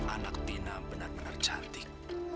anak pina benar benar cantik